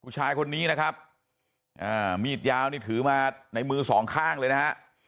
ผู้ชายคนนี้นะครับมีดยาวนี่ถือมาในมือสองข้างเลยนะฮะ